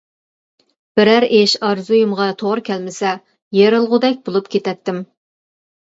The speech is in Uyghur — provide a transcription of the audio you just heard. بىرەر ئىش ئارزۇيۇمغا توغرا كەلمىسە، يېرىلغۇدەك بولۇپ كېتەتتىم.